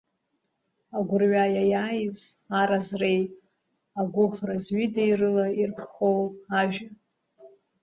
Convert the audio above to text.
Агәырҩа иаиааз, аразреи агәыӷра зҩыдеи рыла ирԥхоу ажәа…